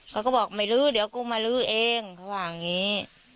เขาก็บอกไม่ลื้อเดี๋ยวกูมาลื้อเองเขาว่าอย่างนี้